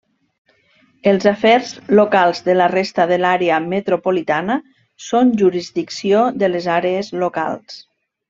Els afers locals de la resta de l'àrea metropolitana són jurisdicció de les àrees locals.